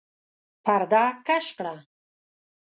پرده کش کړه!